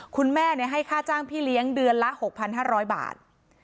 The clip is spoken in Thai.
คุณแม่ให้ค่าจ้างพี่เลี้ยงเดือนละ๖๕๐๐บาท